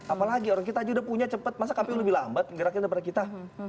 apalagi orang kita aja udah punya cepet masa kpu lebih lambat geraknya daripada kita